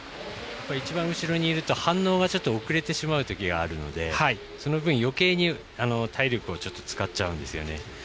一番後ろにいると反応が遅れてしまうときがあるのでその分、よけいに体力を使っちゃうんですよね。